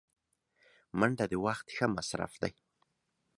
منډه د وخت ښه مصرف دی